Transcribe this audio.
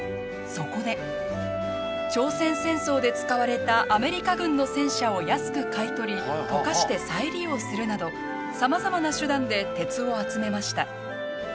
そこで、朝鮮戦争で使われたアメリカ軍の戦車を安く買い取り溶かして再利用するなどさまざまな手段で鉄を集めました。